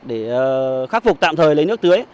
để khắc phục tạm thời lấy nước tưới